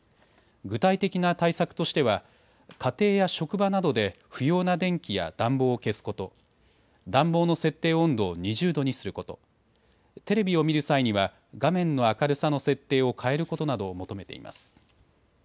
具体的な対策としては家庭や職場などで不要な電気や暖房を消すこと、暖房の設定温度を２０度にすること、テレビを見る際には画面の明るさの設定を変えることなどを求めています。